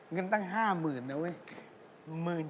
เงินตั้ง๕๐๐๐นะเว้ย